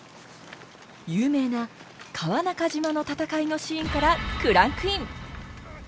有名な川中島の戦いのシーンからクランクイン！